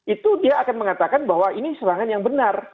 itu dia akan mengatakan bahwa ini serangan yang benar